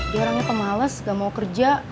dia orangnya pemales gak mau kerja